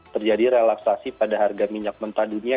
terjadi relaksasi pada harga minyak mentah dunia